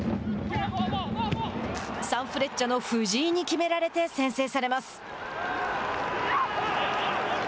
サンフレッチェの藤井に決められて先制されます。